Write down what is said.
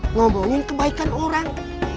ngomongin kebaikan orang